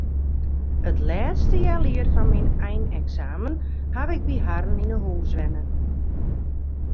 It lêste healjier foar myn eineksamen haw ik by harren yn 'e hûs wenne.